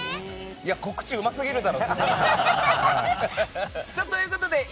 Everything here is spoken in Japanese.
告知うますぎるだろ！